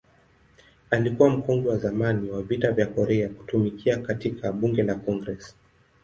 Alikuwa mkongwe wa zamani wa Vita vya Korea kutumikia katika Bunge la Congress.